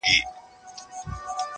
سل ځله مي خپل کتاب له ده سره کتلی دی؛